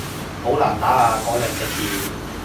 好難打啊嗰兩隻字